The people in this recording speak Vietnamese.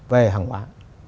về hàng quán